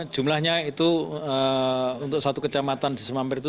jumlahnya itu untuk satu kecamatan di semamper itu